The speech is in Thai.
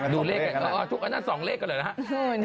ดูเลขนั่น๒เลขกันเลยนะฮะ